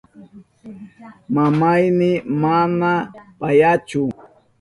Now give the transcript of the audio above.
Mamayni mana payachu.